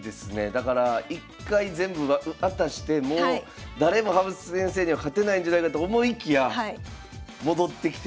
だから一回全部渡してもう誰も羽生先生には勝てないんじゃないかと思いきや戻ってきて。